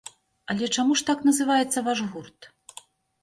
Але чаму ж так называецца ваш гурт?